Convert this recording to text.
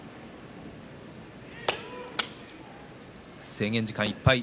制限時間いっぱい。